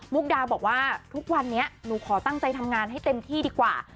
กดาบอกว่าทุกวันนี้หนูขอตั้งใจทำงานให้เต็มที่ดีกว่า